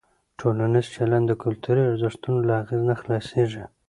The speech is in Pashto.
ټولنیز چلند د کلتوري ارزښتونو له اغېزه نه خلاصېږي.